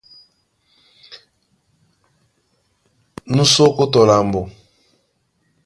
Nú sí ókó tɔ lambo.